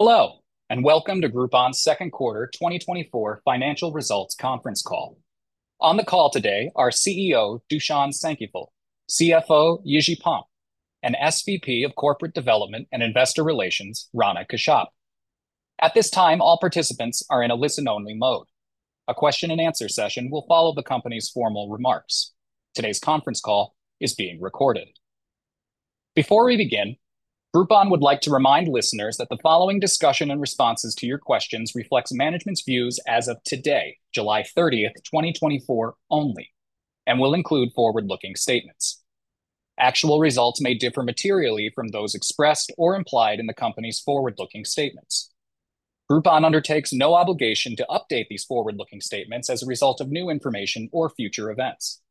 Hello and welcome to Groupon's second quarter 2024 financial results conference call. On the call today are CEO Dušan Šenkypl, CFO Jiri Ponrt and SVP of Corporate Development and Investor Relations Rana Kashyap. At this time all participants are in a listen only mode. A question and answer session will follow the Company's formal remarks. Today's conference call is being recorded. Before we begin, Groupon would like to remind listeners that the following discussion and responses to your questions reflects management's views as of today, July 30, 2024 only and will include forward looking statements. Actual results may differ materially from those expressed or implied in the Company's forward looking statements. Groupon undertakes no obligation to update these forward looking statements as a result of new information or future events.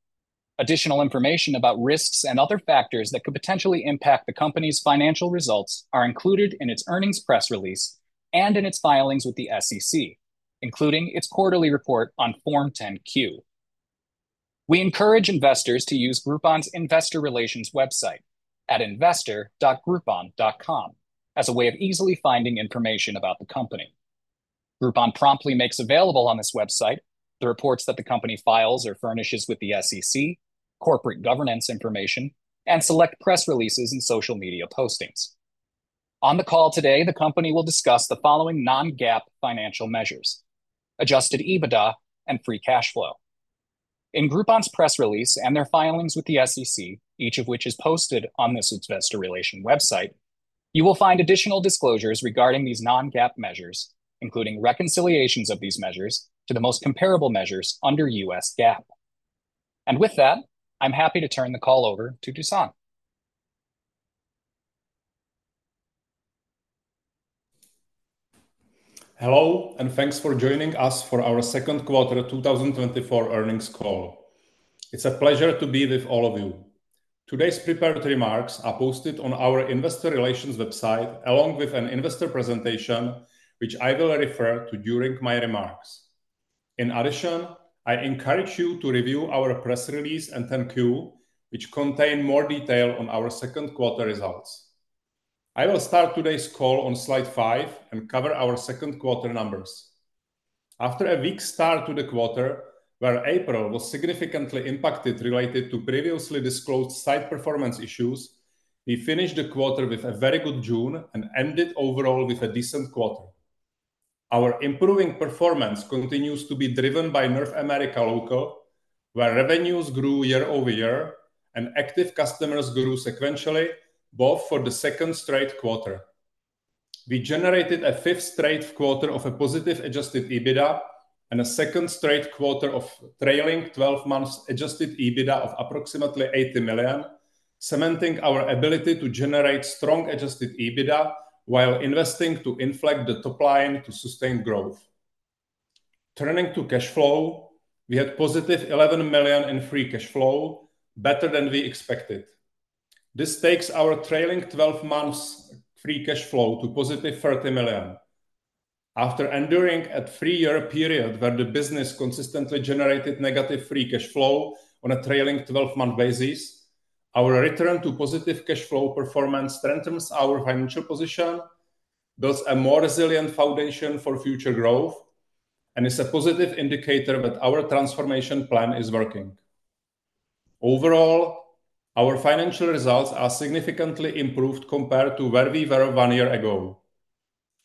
Additional information about risks and other factors that could potentially impact the Company's financial results are included in its earnings press release and in its filings with the SEC, including its quarterly report on Form 10-Q. We encourage investors to use Groupon's investor relations website at investor.groupon.com as a way of easily finding information about the company. Groupon promptly makes available on this website the reports that the Company files or furnishes with the SEC, corporate governance information, and select press releases and social media postings. On the call today, the Company will discuss the following non-GAAP financial measures, Adjusted EBITDA and free cash flow. In Groupon's press release and their filings with the SEC, each of which is posted on the Investor Relations website. You will find additional disclosures regarding these non-GAAP measures, including reconciliations of these measures to the most comparable measures under US GAAP. With that, I'm happy to turn the call over to Dušan. Hello and thanks for joining us for our second quarter 2024 earnings call. It's a pleasure to be with all of you. Today's prepared remarks are posted on our investor relations website along with an investor presentation which I will refer to during my remarks. In addition, I encourage you to review our press release and 10-Q, which contain more detail on our second quarter results. I will start today's call on Slide 5 and cover our second quarter numbers. After a weak start to the quarter where April was significantly impacted related to previously disclosed site performance issues, we finished the quarter with a very good June and ended overall with a decent quarter. Our improving performance continues to be driven by North America Local where revenues grew year over year and active customers grew sequentially. Both for the second straight quarter we generated a fifth straight quarter of a positive Adjusted EBITDA and a second straight quarter of trailing twelve months Adjusted EBITDA of approximately $80 million, cementing our ability to generate strong Adjusted EBITDA while investing to inflect the top line to sustain growth. Turning to cash flow, we had positive $11 million in free cash flow better than we expected. This takes our trailing twelve months free cash flow to positive $30 million. After enduring a 3-year period where the business consistently generated negative free cash flow trailing twelve months basis, our return to positive cash flow performance strengthens our financial position, builds a more resilient foundation for future growth and is a positive indicator that our transformation plan is working. Overall, our financial results are significantly improved compared to where we were 1 year ago.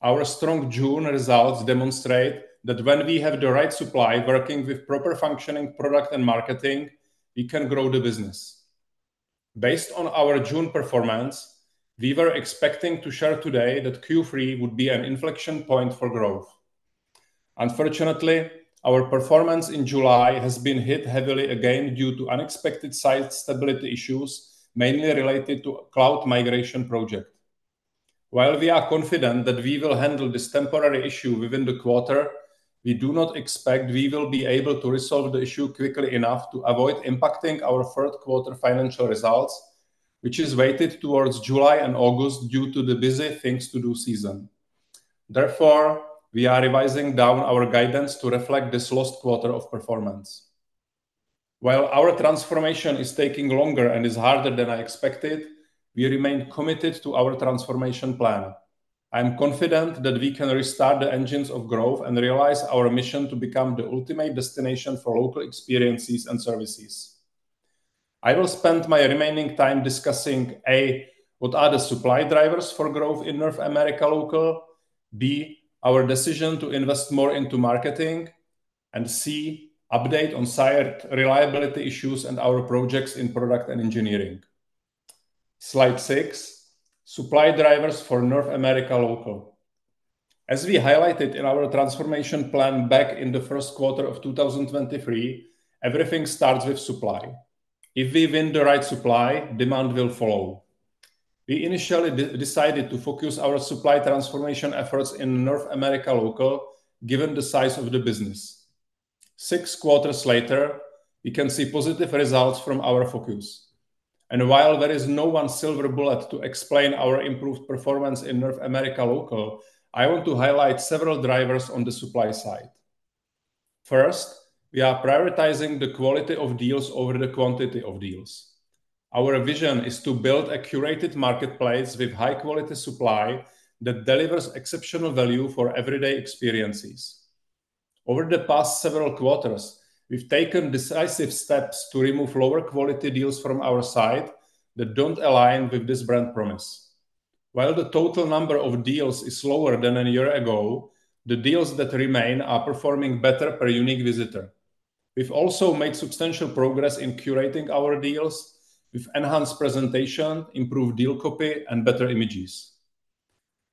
Our strong June results demonstrate that when we have the right supply, working with proper functioning product and marketing, we can grow the business. Based on our June performance, we were expecting to share today that Q3 would be an inflection point for growth. Unfortunately, our performance in July has been hit heavily again due to unexpected site stability issues mainly related to cloud migration project. While we are confident that we will handle this temporary issue within the quarter, we do not expect we will be able to resolve the issue quickly enough to avoid impacting our third quarter financial results, which is weighted towards July and August due to the busy Things to Do season. Therefore, we are revising down our guidance to reflect this lost quarter of performance. While our transformation is taking longer and is harder than I expected, we remain committed to our transformation plan. I am confident that we can restart the engines of growth and realize our mission to become the ultimate destination for local experiences and services. I will spend my remaining time discussing a what are the supply drivers for growth in North America Local, b our decision to invest more into marketing and c update on site reliability issues and our projects in product and engineering. Slide 6: Supply drivers for North America Local, as we highlighted in our Transformation Plan back in the first quarter of 2023, everything starts with supply. If we win the right supply, demand will follow. We initially decided to focus our supply transformation efforts in North America Local. Given the size of the business, sixth quarters later, you can see positive results from our focus, and while there is no one silver bullet to explain our improved performance in North America Local, I want to highlight several drivers on the supply side. First, we are prioritizing the quality of deals over the quantity of deals. Our vision is to build a curated marketplace with high quality supply that delivers exceptional value for everyday experiences. Over the past several quarters, we've taken decisive steps to remove lower quality deals from our site that don't align with this brand promise. While the total number of deals is lower than a year ago, the deals that remain are performing better per unique visitor. We've also made substantial progress in curating our deals with enhanced presentation, improved deal copy, and better images.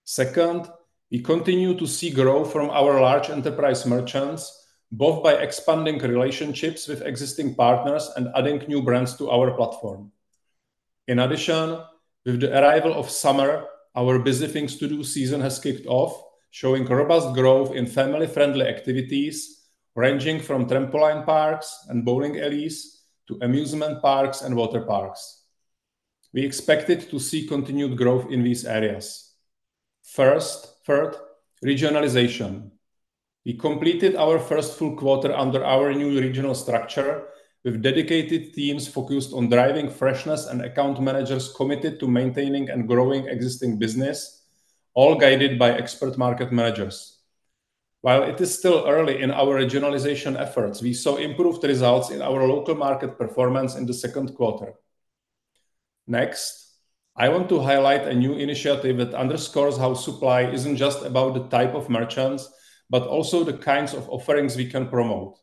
Second, we continue to see growth from our large enterprise merchants, both by expanding relationships with existing partners and adding new brands to our platform. In addition, with the arrival of summer, our busy Things to Do season has kicked off showing robust growth in family-friendly activities ranging from trampoline parks and bowling alleys to amusement parks and water parks. We expected to see continued growth in these areas. First, regionalization: we completed our first full quarter under our new regional structure with dedicated teams focused on driving freshness and account managers committed to maintaining and growing existing business, all guided by expert market managers. While it is still early in our regionalization efforts, we saw improved results in our local market performance in the second quarter. Next, I want to highlight a new initiative that underscores how supply isn't just about the type of merchants, but also the kinds of offerings we can promote.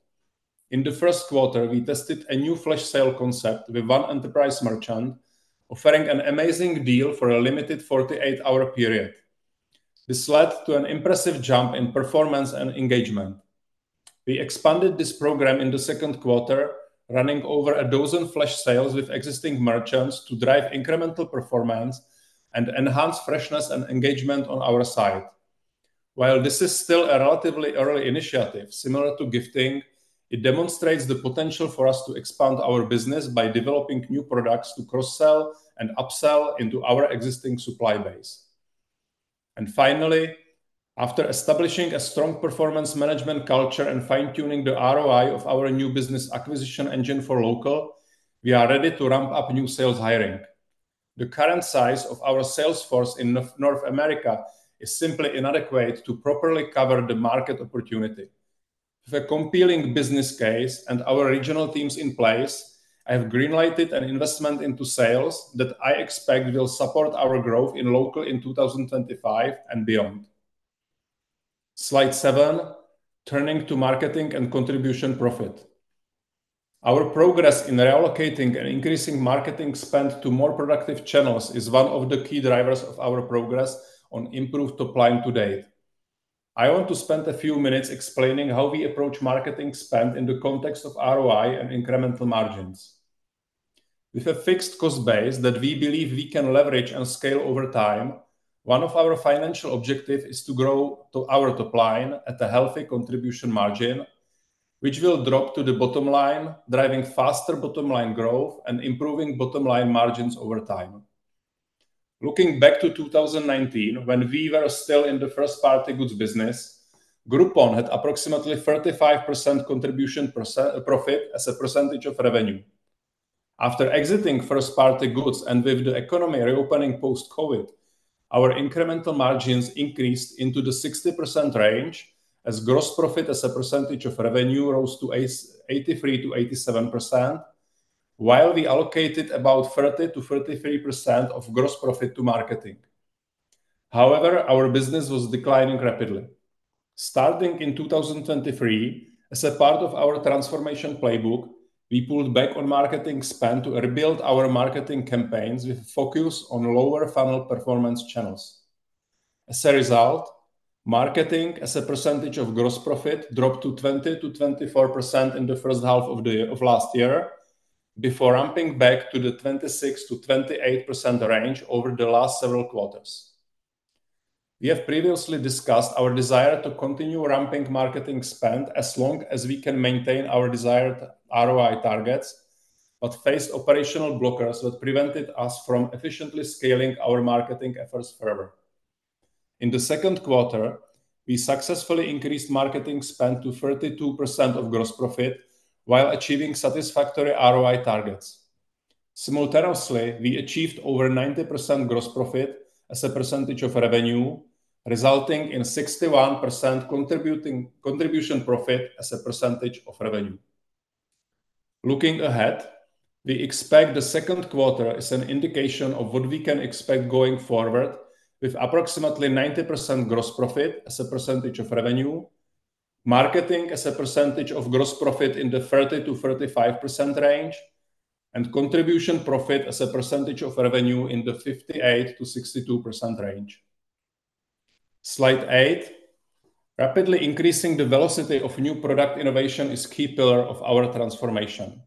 In the first quarter, we tested a new flash sale concept with one enterprise merchant offering an amazing deal for a limited 48-hour period. This led to an impressive jump in performance and engagement. We expanded this program in the second quarter, running over a dozen flash sales with existing merchants to drive incremental performance and enhance freshness and engagement on our site. While this is still a relatively early initiative similar to gifting, it demonstrates the potential for us to expand our business by developing new products to cross-sell and upsell into our existing supply base. Finally, after establishing a strong performance management culture and fine tuning the ROI of our new business acquisition engine for Local, we are ready to ramp up new sales hiring. The current size of our sales force in North America is simply inadequate to properly cover the market opportunity. With a compelling business case and our regional teams in place, I have greenlighted an investment into sales that I expect will support our growth in local in 2025 and beyond. Slide 7. Turning to marketing and Contribution Profit. Our progress in reallocating and increasing marketing spend to more productive channels is one of the key drivers of our progress on improved top line to date. I want to spend a few minutes explaining how we approach marketing spend in the context of ROI and incremental margins with a fixed cost base that we believe we can leverage and scale over time. One of our financial objectives is to grow our top line at a healthy contribution margin which will drop to the bottom line, driving faster bottom line growth and improving bottom line margins over time. Looking back to 2019 when we were still in the first-party goods business, Groupon had approximately 35% contribution profit as a percentage of revenue. After exiting first-party goods and with the economy reopening post-COVID, our incremental margins increased into the 60% range as gross profit as a percentage of revenue rose to 83%-87% while we allocated about 30%-33% of gross profit to marketing. However, our business was declining rapidly starting in 2023. As a part of our transformation playbook, we pulled back on marketing spend to rebuild our marketing campaigns with focus on lower funnel performance channels. As a result, marketing as a percentage of gross profit dropped to 20%-24% in the first half of last year before ramping back to the 26%-28% range over the last several quarters. We have previously discussed our desire to continue ramping marketing spend as long as we can maintain our desired ROI targets, but faced operational blockers that prevented us from efficiently scaling our marketing efforts further. In the second quarter, we successfully increased marketing spend to 32% of gross profit while achieving satisfactory ROI targets. Simultaneously, we achieved over 90% gross profit as a percentage of revenue, resulting in 61% contribution profit as a percentage of revenue. Looking ahead, we expect the second quarter is an indication of what we can expect going forward with approximately 90% gross profit as a percentage of revenue, marketing as a percentage of gross profit in the 30%-35% range and contribution profit as a percentage of revenue in the 58%-62% range. Slide 8 rapidly increasing the velocity of new product innovation is key pillar of our transformation.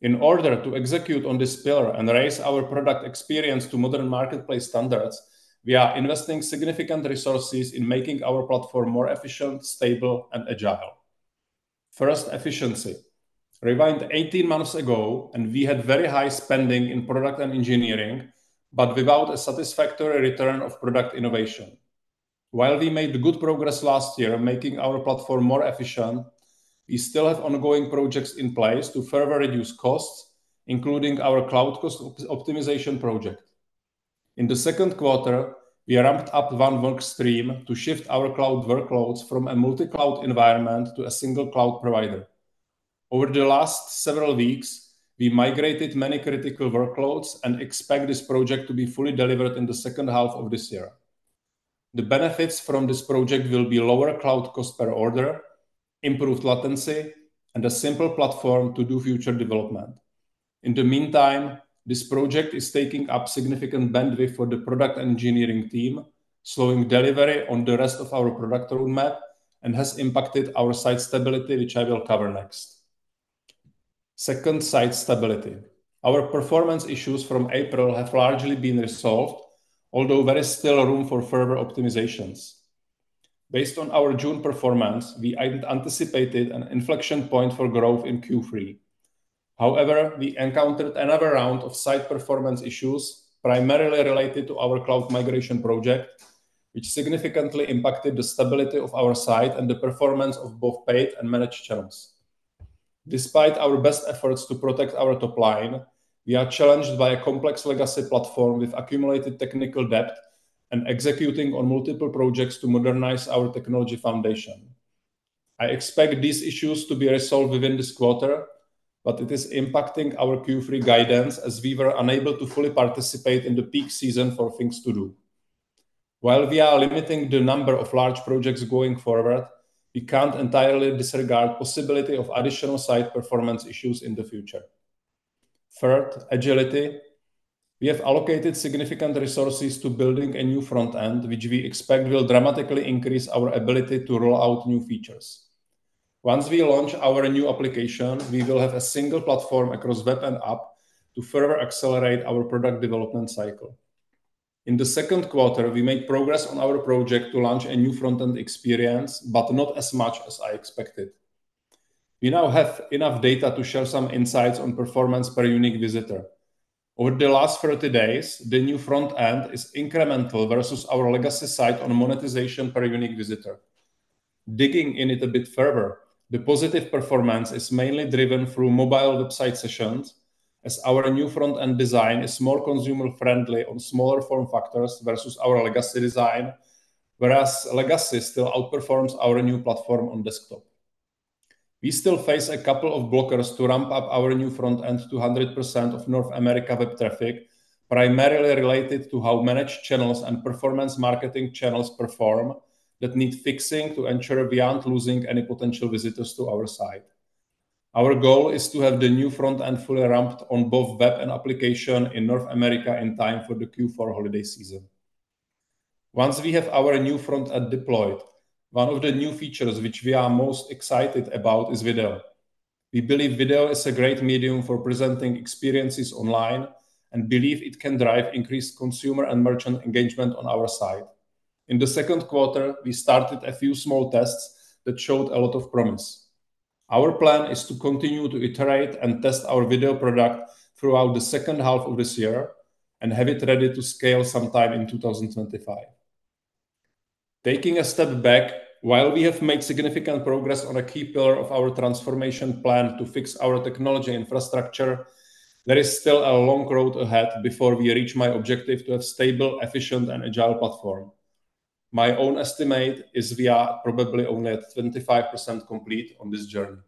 In order to execute on this pillar and raise our product experience to modern marketplace standards, we are investing significant resources in making our platform more efficient, stable and agile. First efficiency rewind 18 months ago and we had very high spending in product and engineering but without a satisfactory return of product innovation. While we made good progress last year making our platform more efficient, we still have ongoing projects in place to further reduce costs, including our cloud cost optimization project. In the second quarter, we ramped up one work stream to shift our cloud workloads from a multi-cloud environment to a single cloud provider. Over the last several weeks, we migrated many critical workloads and expect this project to be fully delivered in the second half of this year. The benefits from this project will be lower cloud cost per order, improved latency, and a simple platform to do future development. In the meantime, this project is taking up significant bandwidth for the product engineering team, slowing delivery on the rest of our product roadmap and has impacted our site stability which I will cover next. Second Site Stability Our performance issues from April have largely been resolved, although there is still room for further optimizations. Based on our June performance, we anticipated an inflection point for growth in Q3. However, we encountered another round of site performance issues primarily related to our cloud migration project, which significantly impacted the stability of our site and the performance of both paid and managed channels. Despite our best efforts to protect our top line, we are challenged by a complex legacy platform with accumulated technical debt and executing on multiple projects to modernize our technology foundation. I expect these issues to be resolved within this quarter, but it is impacting our Q3 guidance as we were unable to fully participate in the peak season for things to do. While we are limiting the number of large projects going forward, we can't entirely disregard possibility of additional site performance issues in the future. Third, agility, we have allocated significant resources to building a new front end which we expect will dramatically increase our ability to roll out new features. Once we launch our new application, we will have a single platform across web and app to further accelerate our product development cycle. In the second quarter, we made progress on our project to launch a new front end experience, but not as much as I expected. We now have enough data to share some insights on performance per unique visitor over the last 30 days. The new front end is incremental versus our legacy site on monetization per unique visitor. Digging in it a bit further, the positive performance is mainly driven through mobile website sessions as our new front end design is more consumer friendly on smaller form factors versus our legacy design. Whereas legacy still outperforms our new platform on desktop, we still face a couple of blockers to ramp up our new front end to 100% of North America web traffic primarily related to how managed channels and performance marketing channels perform that need fixing. To ensure beyond losing any potential visitors to our site, our goal is to have the new front end fully ramped on both web and application in North America in time for the Q4 holiday season. Once we have our new front end deployed, one of the new features which we are most excited about is video. We believe video is a great medium for presenting experiences online and believe it can drive increased consumer and merchant engagement on our site. In the second quarter we started a few small tests that showed a lot of promise. Our plan is to continue to iterate and test our video product throughout the second half of this year and have it ready to scale sometime in 2025. Taking a step back. While we have made significant progress on a key pillar of our transformation plan to fix our technology infrastructure, there is still a long road ahead before we reach my objective to have stable, efficient and agile platform. My own estimate is we are probably only at 25% complete on this journey.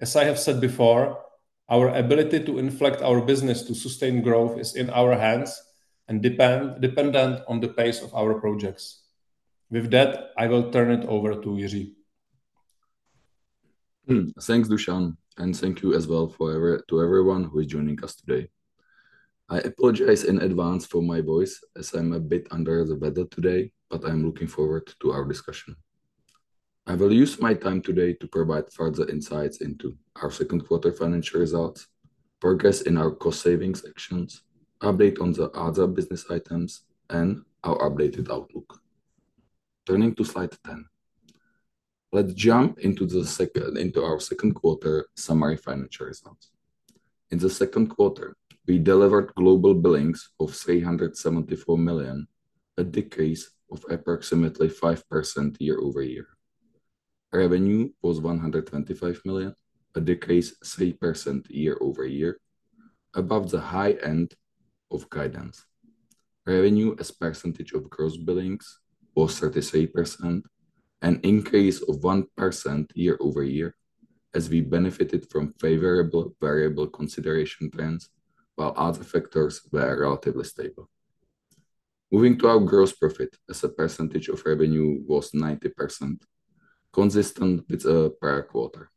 As I have said before, our ability to inflect our business to sustain growth is in our hands and dependent on the pace of our projects. With that, I will turn it over to Jiri. Thanks, Dušan. And thank you as well to everyone who is joining us today. I apologize in advance for my voice as I'm a bit under the weather today, but I'm looking forward to our discussion. I will use my time today to provide further insights into our second quarter financial results, progress in our cost savings actions, update on the other business items and our updated outlook. Turning to Slide 10, let's jump into our second quarter summary financial results. In the second quarter we delivered global billings of $374 million, a decrease of approximately 5% year-over-year. Revenue was $125 million, a 3% decrease year-over-year above the high end of guidance. Revenue as percentage of gross billings was 33%, an increase of 1% year-over-year as we benefited from favorable variable consideration trends while other factors were relatively stable. Moving to our gross profit as a percentage of revenue was 90%, consistent with a prior quarter.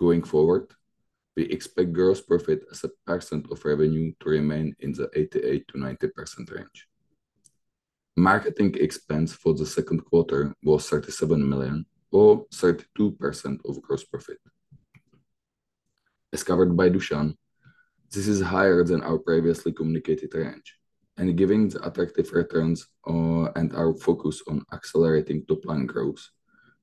Going forward, we expect gross profit as a percent of revenue to remain in the 88%-90% range. Marketing expense for the second quarter was $37 million or 32% of gross profit as covered by Dušan. This is higher than our previously communicated range and given the attractive returns and our focus on accelerating top line growth,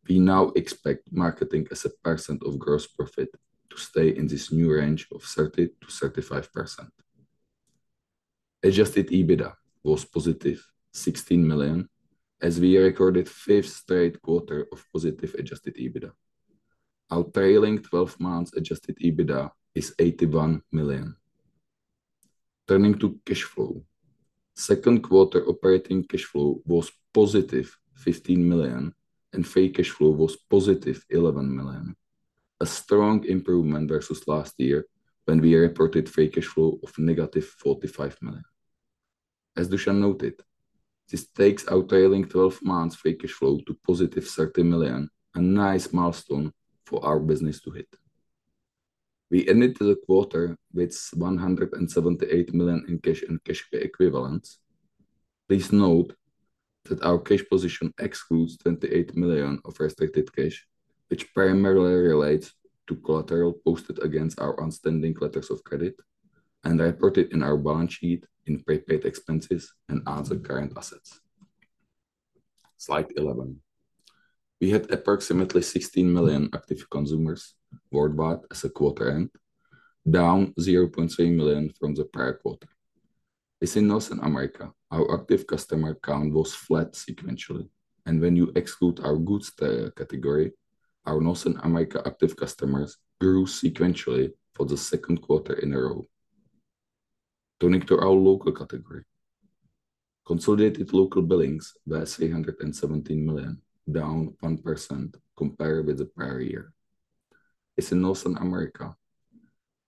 we now expect marketing as a percent of gross profit to stay in this new range of 30%-35%. Adjusted EBITDA was positive $16 million as we recorded fifth straight quarter of positive adjusted trailing twelve months adjusted EBITDA is $81 million. Turning to cash flow, second quarter operating cash flow was positive $15 million and free cash flow was positive $11 million, a strong improvement versus last year when we reported free cash flow of negative $45 million. As Dušan noted, this trailing twelve months free cash flow to positive $30 million, a nice milestone for our business to hit. We ended the quarter with $178 million in cash and cash equivalents. Please note that our cash position excludes $28 million of restricted cash which primarily relates to collateral posted against our outstanding letters of credit and report it in our balance sheet in prepaid expenses and other current assets. Slide 11, we had approximately 16 million active consumers worldwide as a quarter end, down 0.3 million from the prior quarter. As in North America, our active customer count was flat sequentially and when you exclude our goods category, our North America active customers grew sequentially for the second quarter in a row. Turning to our local category, consolidated local billings were $317 million down 1% compared with the prior year. As in North America,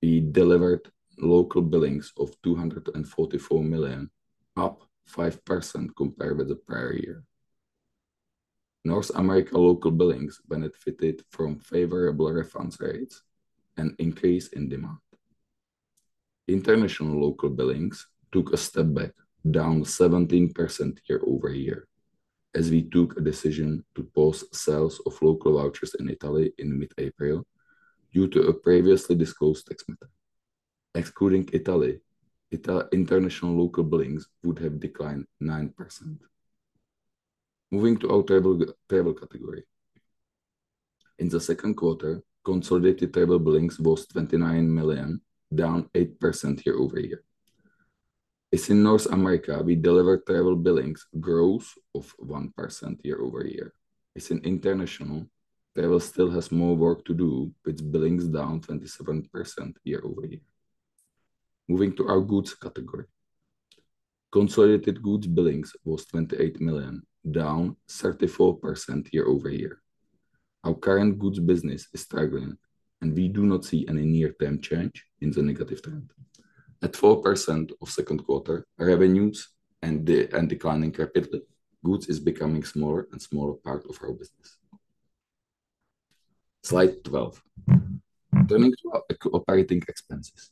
we delivered local billings of $244 million up 5% compared with the prior year. North American local billings benefited from favorable refund rates and increase in demand. International local billings took a step back down 17% year-over-year as we took a decision to pause sales of local vouchers in Italy in mid-April due to a previously disclosed tax ruling. Excluding Italy international local billings we would have declined 9%. Moving to our Travel category in the second quarter, consolidated Travel billings was $29 million, down 8% year-over-year. As in North America, we deliver Local billings growth of 1% year-over-year. As in international, Local still has more work to do with billings down 27% year-over-year. Moving to our goods category, consolidated goods billings was $28 million, down 34% year-over-year. Our current goods business is struggling and we do not see any near-term change in the negative trend. At 4% of second quarter revenues and declining rapidly. Goods is becoming smaller and smaller part of our business. Slide 12. Turning to our operating expenses,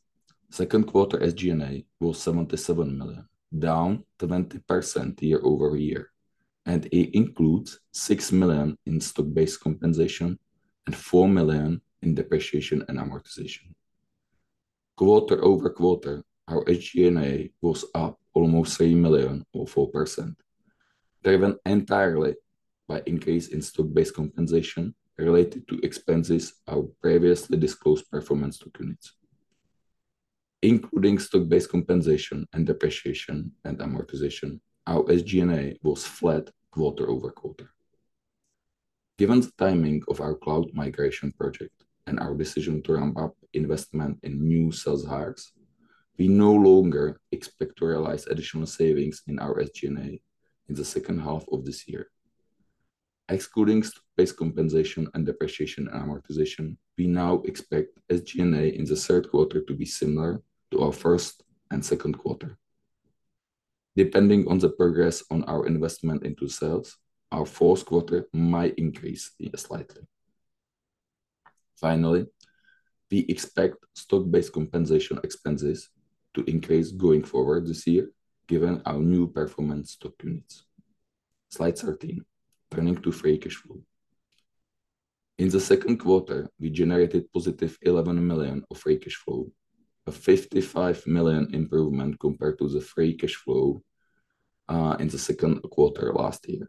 second quarter SG&A was $77 million, down 20% year-over-year, and it includes $6 million in stock-based compensation and $4 million in depreciation and amortization. Quarter-over-quarter, our SG&A was up almost $3 million or 4% driven entirely by increase in stock-based compensation related to expenses of previously disclosed performance stock units including stock-based compensation and depreciation and amortization. Our SG&A was flat quarter-over-quarter. Given the timing of our cloud migration project and our decision to ramp up investment in new sales hires, we no longer expect to realize additional savings in our SG&A in the second half of this year. Excluding base compensation and depreciation amortization, we now expect SG&A in the third quarter to be similar to our first and second quarter. Depending on the progress on our investment into sales, our fourth quarter might increase slightly. Finally, we expect stock-based compensation expenses to increase going forward this year given our new performance stock units. Slide 13. Turning to free cash flow in the second quarter, we generated positive $11 million of free cash flow, a $55 million improvement compared to the free cash flow in the second quarter last year.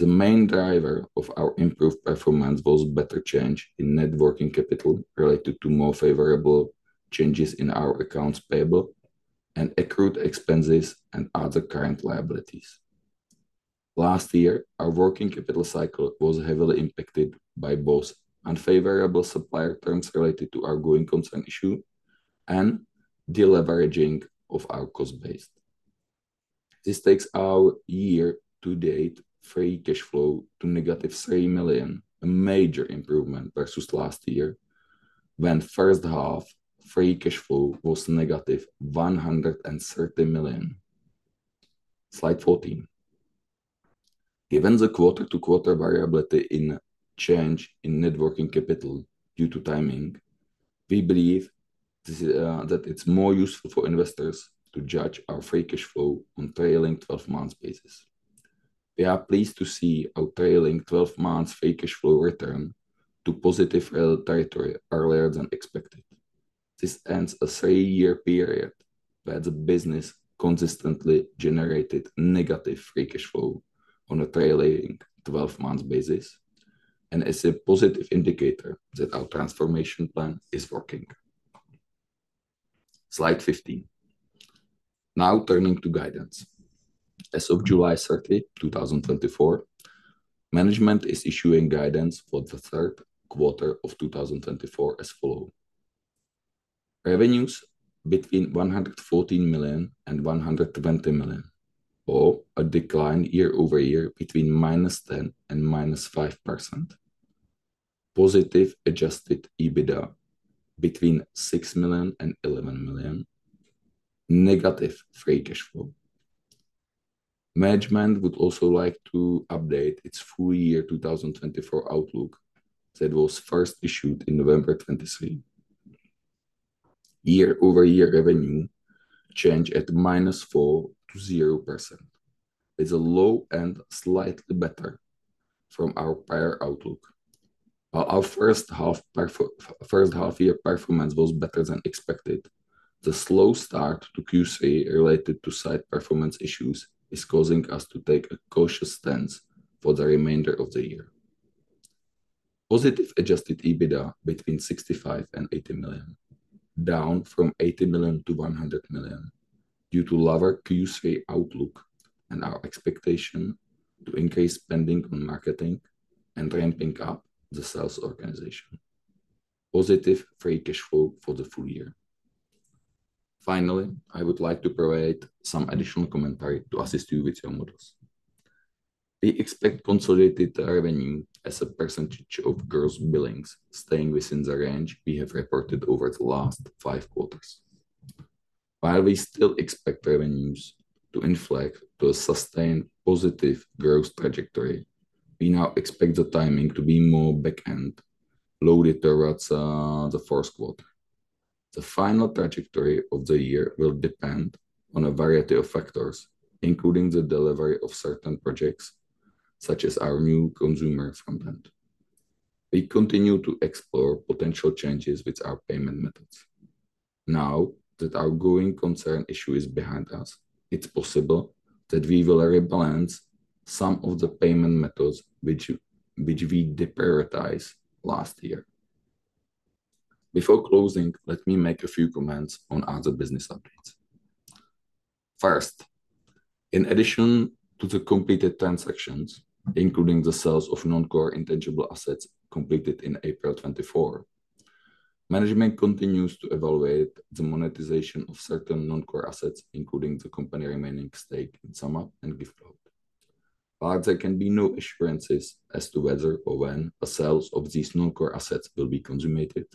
The main driver of our improved performance was better change in net working capital related to more favorable changes in our accounts payable and accrued expenses and other current liabilities. Last year our working capital cycle was heavily impacted by both unfavorable supplier terms related to our going concern issue and deleveraging of our cost base. This takes our year-to-date free cash flow to negative $3 million, a major improvement versus last year when first half free cash flow was negative $130 million. Slide 14. Given the quarter-to-quarter variability in change in net working capital due to timing, we believe that it's more useful for investors to judge our free cash trailing twelve months basis. We are pleased to trailing twelve months free cash flow return to positive territory earlier than expected. This ends a three year period where the business consistently generated negative free cash flow trailing twelve months basis and is a positive indicator that our transformation plan is working. Slide 15. Now turning to guidance, as of July 30, 2024, management is issuing guidance for the third quarter of 2024 as revenues between $114 million and $120 million or a decline year-over-year between -10% and -5%. Positive Adjusted EBITDA between $6 million and $11 million, negative free cash flow. Management would also like to update its full year 2024 outlook that was first issued in November 2023. Year-over-year revenue change at -4%-0%. It's a low end, slightly better from our prior outlook. Our first half year performance was better than expected. The slow start to Q3 related to site performance issues is causing us to take a cautious stance for the remainder of the year. Positive Adjusted EBITDA between $65 million and $80 million, down from $80 million to $100 million due to lower Q3 outlook and our expectation to increase spending on marketing and ramping up the sales organization. Positive free cash flow for the full year. Finally, I would like to provide some additional commentary to assist you with your models. We expect consolidated revenue as a percentage of gross billings staying within the range we have reported over the last five quarters. While we still expect revenues to inflect to a sustained positive growth trajectory, we now expect the timing to be more back end loaded towards the fourth quarter. The final trajectory of the year will depend on a variety of factors including the delivery of certain projects such as our new consumer front end. We continue to explore potential changes with our payment methods. Now that our going concern issue is behind us, it's possible that we will rebalance some of the payment methods which we deprioritize last year. Before closing, let me make a few comments on other business updates. First, in addition to the completed transactions, including the sales of non-core intangible assets completed in April 2024, management continues to evaluate the monetization of certain non-core assets, including the company's remaining stake in SumUp and Giftcloud. But there can be no assurances as to whether or when a sale of these non-core assets will be consummated.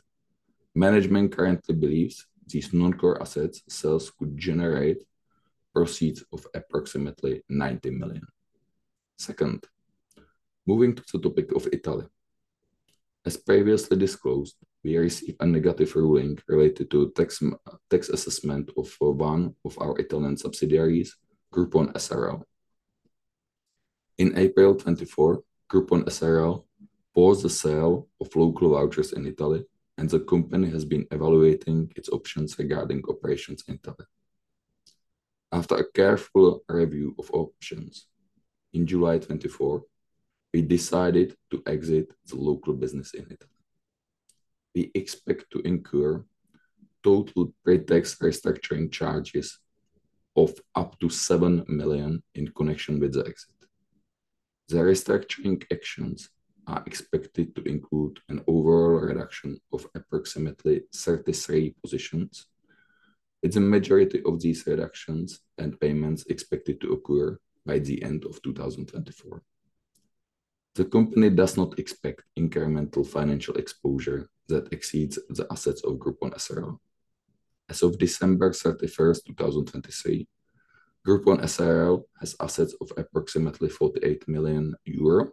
Management currently believes these non-core assets sales could generate proceeds of approximately $90 million. Second, moving to the topic of Italy, as previously disclosed, we receive a negative ruling related to tax assessment of one of our Italian subsidiaries, Groupon S.r.l. In April 2024, Groupon S.r.l. paused the sale of local vouchers in Italy and the company has been evaluating its options regarding operations in Italy. After a careful review of options, in July 2024, we decided to exit the local business in Italy. We expect to incur total pre-tax restructuring charges of up to $7 million in connection with the exit. The restructuring actions are expected to include an overall reduction of approximately 33 positions. It's a majority of these reductions and payments expected to occur by the end of 2024. The company does not expect incremental financial exposure that exceeds the assets of Groupon S.r.l. As of December 31, 2023, Groupon S.r.l. has assets of approximately 48 million euro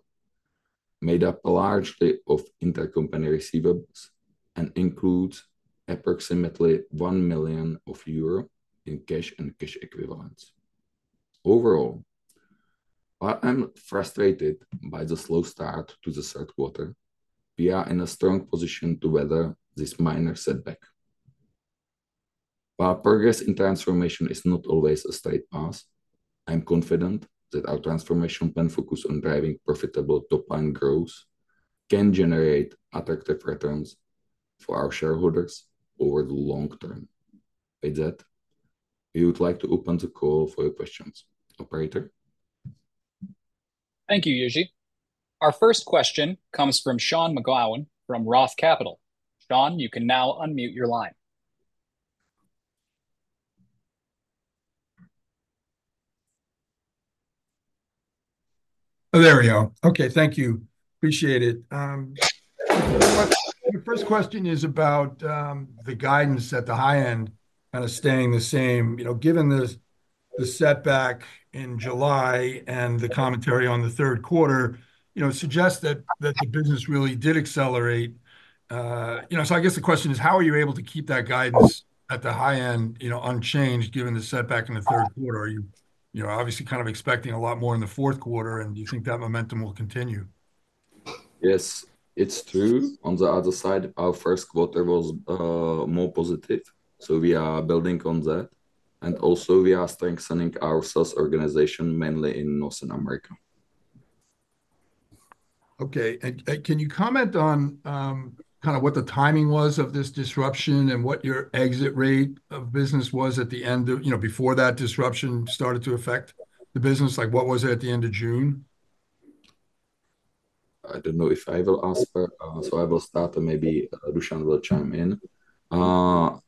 made up largely of intercompany receivables and includes approximately 1 million euro in cash and cash equivalents. Overall, I'm frustrated by the slow start to the third quarter. We are in a strong position to weather this minor setback. While progress in transformation is not always a straight path, I'm confident that our transformation plan focus on driving profitable top line growth can generate attractive returns for our shareholders over the long term. With that, you would like to open the call for your questions, Operator? Thank you. Jiri. Our first question comes from Sean McGowan from Roth Capital. Sean, you can now unmute your line. There we go. Okay, thank you. Appreciate it. The first question is about the guidance at the high end kind of staying the same, you know, given the setback in July and the commentary on the third quarter, you know, suggests that the business really did accelerate, you know. So I guess the question is how are you able to keep that guidance at the high end, you know, unchanged given the setback in the third quarter? Are you, you know, obviously kind of expecting a lot more in the fourth quarter and do you think that momentum will continue? Yes, it's true. On the other side, our first quarter was more positive. So we are building on that. And also we are strengthening our source organization, mainly in North America. Okay. Can you comment on kind of what the timing was of this disruption and what your exit rate of business was at the end of, you know, before that disruption started to affect the business? Like, what was it at the end of June? I don't know if I will answer, so I will start. Maybe Dušan will chime in.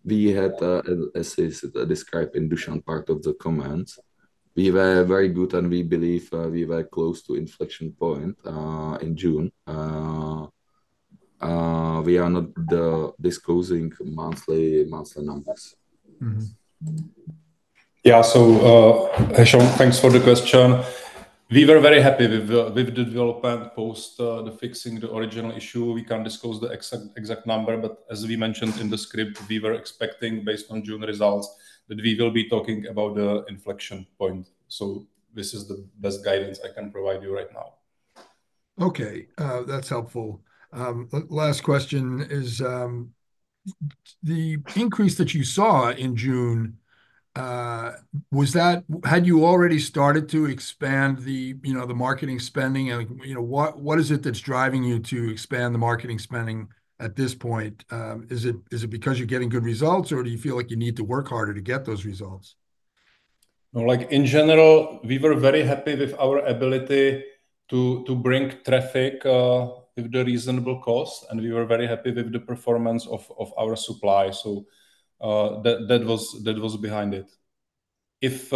We had, as is described in Dušan, part of the comments, we were very good. And we believe we were close to inflection point in June. We are not disclosing monthly. Monthly numbers. Yeah. Thanks for the question. We were very happy with the development post the fixing the original issue. We can't disclose the exact number, but as we mentioned in the script, we were expecting based on June results that we will be talking about the inflection point. This is the best guidance I can provide you right now. Okay, that's helpful. Last question. Is the increase that you saw in June? Was that. Had you already started to expand the, you know, the marketing spending, you know? What is it that's driving you to expand the marketing spending at this point? Is it because you're getting good results or do you feel like you need to work harder to get those results? Like, in general, we were very happy with our ability to bring traffic with the reasonable cost, and we were very happy with the performance of our supply. So that was behind it. If,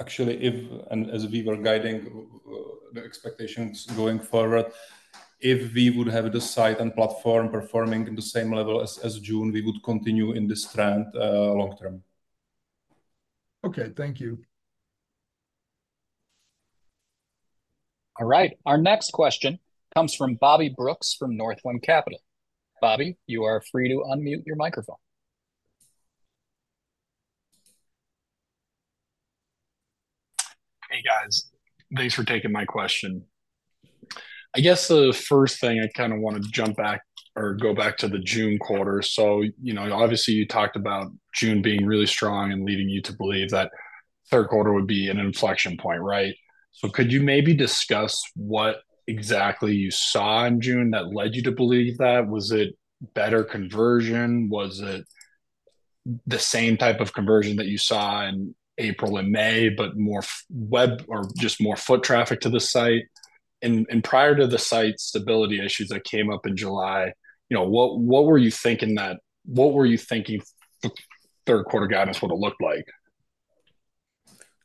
actually, as we were guiding the expectations going forward, if we would have the site and platform performing in the same level as June, we would continue in this trend long term. Okay, thank you. All right, our next question comes from Bobby Brooks from Northland Capital. Bobby, you are free to unmute your microphone. Hey, guys, thanks for taking my question. I guess the first thing, I kind of want to jump back or go back to the June quarter. So, you know, obviously you talked about June being really strong and leading you to believe that third quarter would be an inflection point. Right. So could you maybe discuss what exactly you saw in June that led you to believe that. Was it better conversion? Was it the same type of conversion that you saw in April and May, but more web or just more foot traffic to the site and prior to the site stability issues that came up in July? You know, what. What were you thinking the third quarter guidance would have looked like?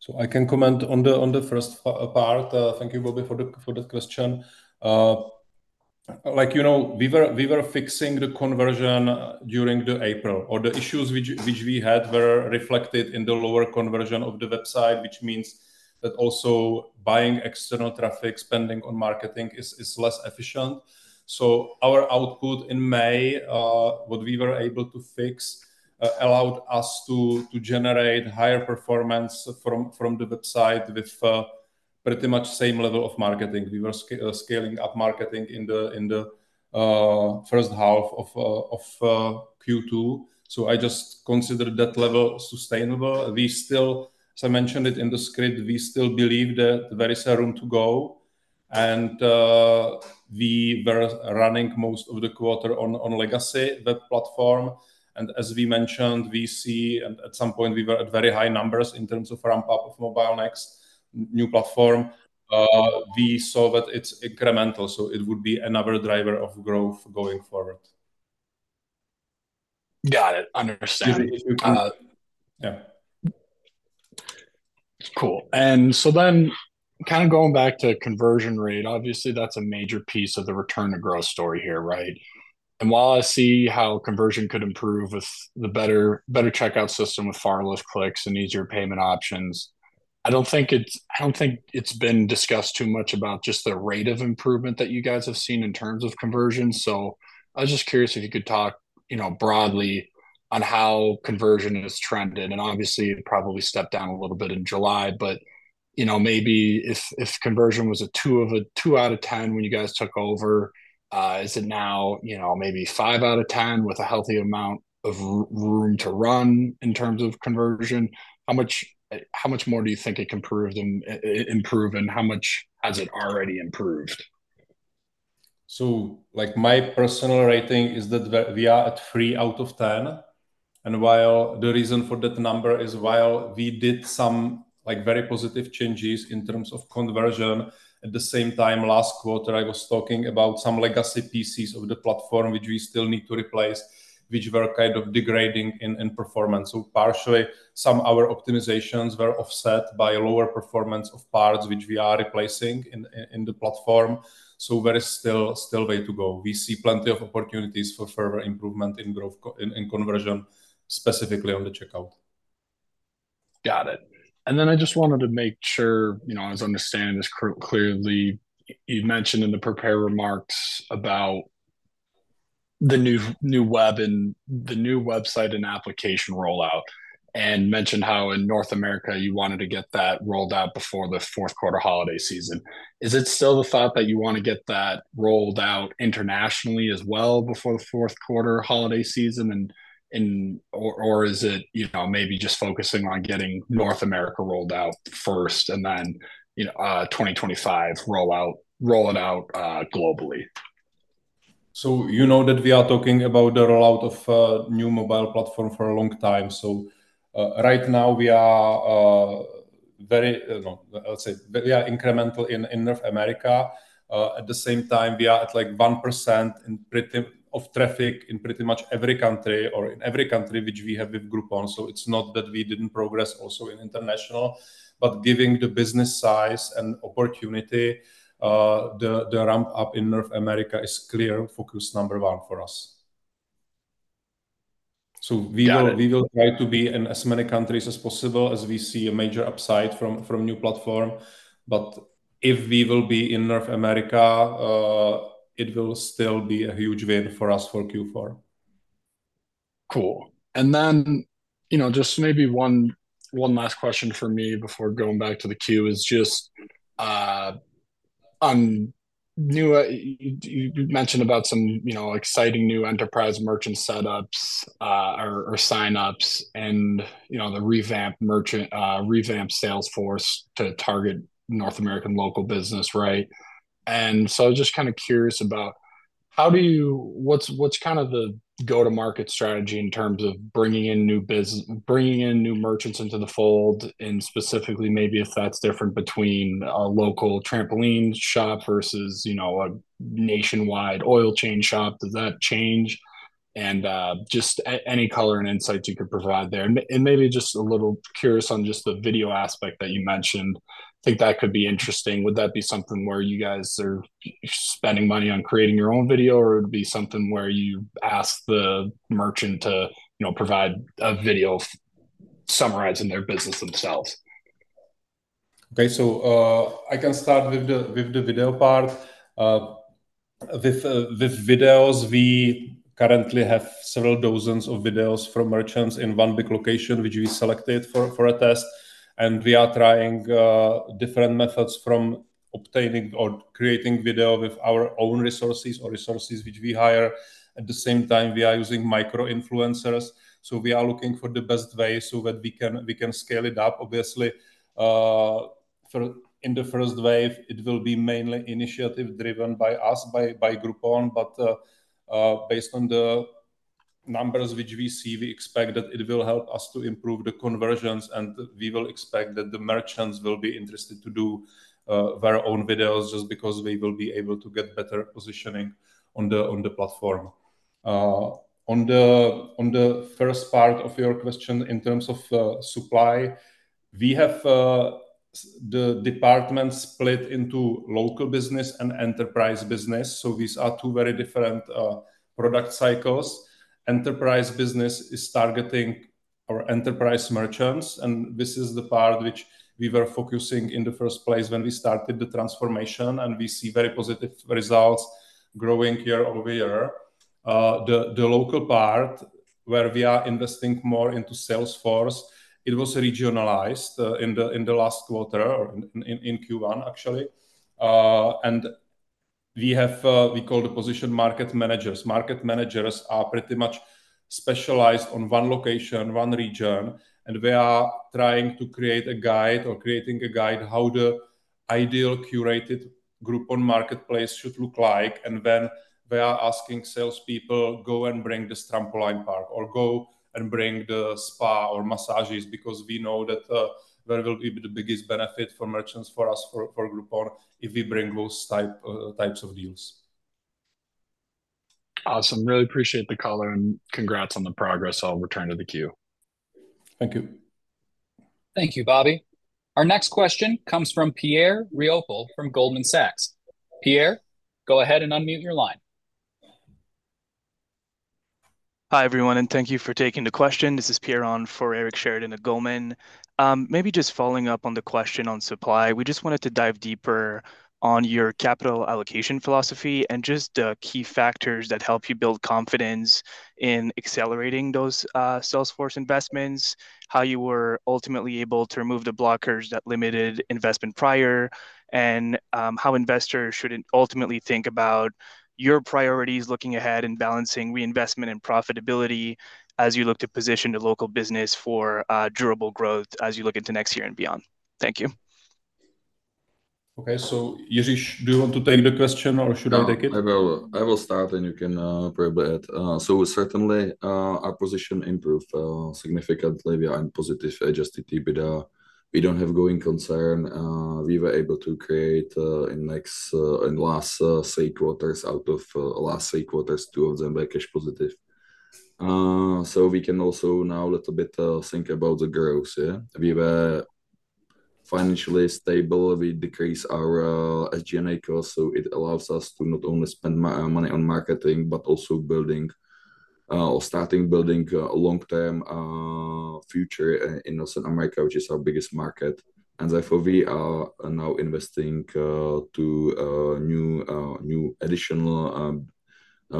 So I can comment on the first part. Thank you, Bobby, for the question. Like you know, we were fixing the conversion during April or the issues which we had were reflected in the lower conversion of the website, which means that also buying external traffic, spending on marketing is less efficient. So our output in May, what we were able to fix allowed us to generate higher performance from the website with pretty much same level of marketing. We were scaling up marketing in the first half of Q2, so I just considered that level sustainable. As I mentioned it in the script, we still believe that there is a room to go and we were running most of the quarter on legacy web platform. As we mentioned we see and at some point we were at very high numbers in terms of ramp up of mobile next new platform. We saw that it's incremental so it would be another driver of growth going forward. Got it. Understand. Yeah. Cool. And so then, kind of going back to conversion rate. Obviously that's a major piece of the return to growth story here. Right. And while I see how conversion could improve with the better, better checkout system with far less clicks and easier payment options, I don't think it's, I don't think it's been discussed too much about just the rate of improvement that you guys have seen in terms of conversion. So I was just curious if you could talk, you know, broadly on how conversion is trended and obviously probably stepped down a little bit in July. You know, maybe if conversion was a 2 out of 10 when you guys took over, is it now, you know, maybe 5 out of 10 with a healthy amount of room to run in terms of conversion, how much more do you think it can improve and how much has it already improved? So, like, my personal rating is that we are at three out of 10, and while the reason for that number is while we did some like very positive changes in terms of conversion, at the same time last quarter I was talking about some legacy pieces of the platform which we still need to replace which were kind of degrading in performance. So partially some of our optimizations were offset by lower performance of parts which we are replacing in the platform. So there is still a way to go. We see plenty of opportunities for further improvement in growth in conversion, specifically on the checkout. Got it. And then I just wanted to make sure I was understanding this clearly. You mentioned in the prepared remarks about the new web and the new website and application rollout and mentioned how in North America you wanted to get that rolled out before the fourth quarter holiday season. Is it still the thought that you want to get that rolled out internationally as well before the fourth quarter holiday season? And/or is it you know, maybe just focusing on getting North America rolled out first and then you know, 2025 rollout, roll it out globally. So you know that we are talking about the rollout of new mobile platform for a long time. So right now we are very, I'll say yeah incremental in North America. At the same time we are at like 1% penetration of traffic in pretty much every country or in every country which we have with Groupon. So it's not that we didn't progress also in international, but given the business size and opportunity the ramp up in North America is clear focus number one for us. So we will try to be in as many countries as possible as we see a major upside from new platform. But if we will be in North America, it will still be a huge win for us for Q4. Cool. And then you know, just maybe one. One last question for me before going back to the queue is just. You. Mentioned about some, you know, exciting new enterprise merchant setups or signups and, you know, the revamp merchant revamp sales force to target North American local business. Right. So, just kind of curious about how do you. What's, what's kind of the go to market strategy in terms of bringing in new business, bringing in new merchants into the fold and specifically maybe if that's different between a local trampoline shop versus you know, a nationwide oil change shop, does that change and just any color and insights you could provide there. And maybe just a little curious on just the video aspect that you mentioned. I think that could be interesting. Would that be something where you guys are spending money on creating your own video or would be something where you ask the merchant to provide a video summarizing their business themselves? Okay, so I can start with the video part with videos. We currently have several, dozens of videos from merchants in one big location which we selected for a test. And we are trying different methods from obtaining or creating video with our own resources or resources which we hire at the same time we are using micro influencers. So we are looking for the best way so that we can, we can scale it up. Obviously in the first wave it will be mainly initiative driven by us by, by Groupon. But based on the numbers which we see, we expect that it will help us to improve the conversions and we will expect that the merchants will be interested, interested to do their own videos just because they will be able to get better positioning on the, on the platform. On the first part of your question in terms of supply, we have the department split into local business and enterprise business. So these are two very different product cycles. Enterprise business is targeting our enterprise merchants. And this is the part which we were focusing in the first place when we started the transformation. And we see very positive results growing year-over-year. The local part where we are investing more into sales force it was regionalized in the. In the last quarter or in Q1 actually. And we have. We call the position market managers. Market managers are pretty much specialized on one location, one region and they are trying to create a guide or creating a guide how the ideal curated Groupon marketplace should look like. Then they are asking salespeople go and bring this trampoline park or go and bring the spa or massages because we know that where will be the biggest benefit for merchants for us, for Groupon if we bring those types of deals. Awesome. Really appreciate the caller, and congrats on the progress. I'll return to the queue. Thank you. Thank you, Bobby. Our next question comes from Pierre Riopel from Goldman Sachs. Pierre, go ahead and unmute your line. Hi everyone and thank you for taking the question. This is Pierre Riopel for Eric Sheridan at Goldman Sachs. Maybe just following up on the question on supply. We just wanted to dive deeper on your capital allocation philosophy and just key factors that help you build confidence in accelerating those sales force investments. How you were ultimately able to remove the blockers that limited investment prior and how investors should ultimately think about your priorities looking ahead and balancing reinvestment and profitability as you look to position the local business for durable growth as you look into next year and beyond? Thank you. Okay, so yes. Do you want to take the question or should I take it? I will start and you can probably add. So certainly our position improved significantly. We are in positive adjusted EBITDA. We don't have going concern. We were able to create in next in last three quarters out of last three quarters two of them were cash positive. So we can also now a little bit think about the growth. We were financially stable. We decrease our SG&A cost. So it allows us to not only spend money on marketing but also building or starting building a long term future in North America which is our biggest market. And therefore we are now investing to new new additional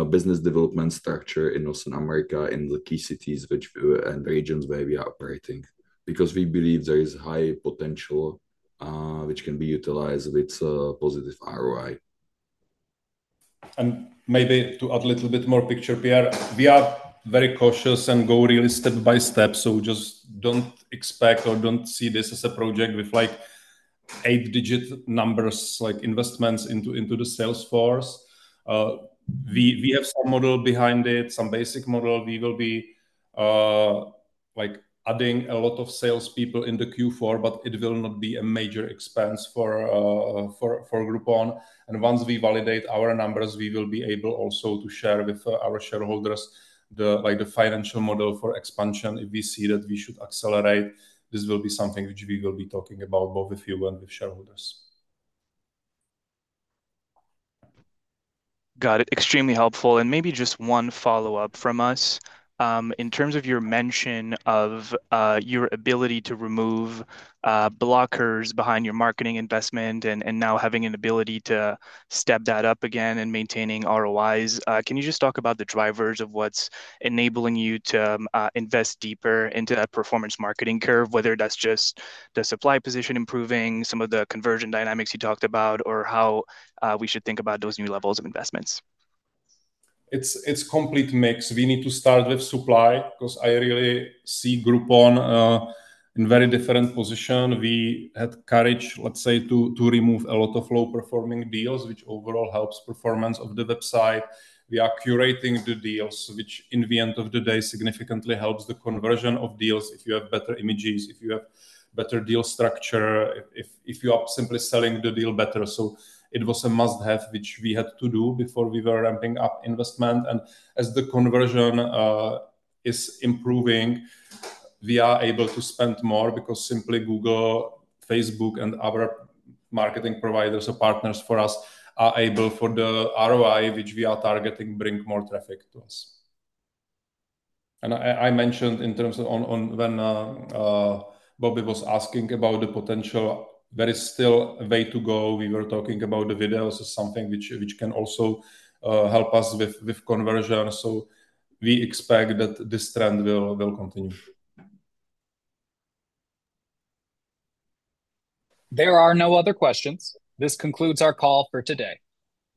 business development structure in North America in the key cities which and regions where we are operating because we believe there is high potential which can be utilized with positive ROI and. Maybe to add a little bit more picture, Pierre. We are very cautious and go really step by step. So just don't expect or don't see this as a project with like eight-digit numbers like investments into the sales force. We have some model behind it, some basic model. We will be like adding a lot of sales people in the Q4 but it will not be a major expense for Groupon. Once we validate our numbers we will be able also to share with our shareholders the like the financial model for expansion. If we see that we should accelerate, this will be something which we will be talking about both if you want with shareholders. Got it. Extremely helpful. Maybe just one follow up from us in terms of your mention of your ability to remove blockers behind your marketing investment and now having an ability to step that up again and maintaining ROIs. Can you just talk about the drivers of what's enabling you to invest deeper into that performance marketing curve, whether that's just the supply position, improving some of the conversion dynamics you talked about or how we should think about those new levels of investments? It's a complete mix. We need to start with supply because I really see Groupon in a very different position. We had the courage, let's say, to remove a lot of low-performing deals which overall helps performance of the website. We are curating the deals which in the end of the day significantly helps the conversion of deals if you have better images, if you have better deal structure, if you are simply selling the deal better. So it was a must-have which we had to do before we were ramping up investment. And as the conversion is improving we are able to spend more because simply Google, Facebook and other marketing providers or partners for us are able for the ROI which we are targeting bring more traffic to us. I mentioned in terms of when Bobby was asking about the potential, there is still a way to go. We were talking about the videos as something which can also help us with conversion. We expect that this trend will continue. There are no other questions. This concludes our call for today.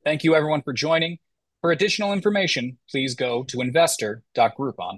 Thank you everyone for joining. For additional information please go to investor Groupon.